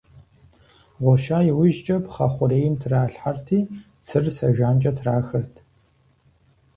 Гъуща иужькӀэ, пхъэ хъурейм тралъхьэрти, цыр сэ жанкӀэ трахырт.